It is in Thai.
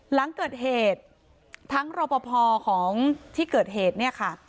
หลังเกิดเหตุทั้งรอปภของที่เกิดเหตุเนี่ยค่ะ